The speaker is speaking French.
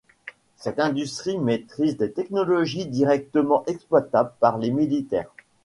Cette industrie maîtrise des technologies directement exploitables par les militaires.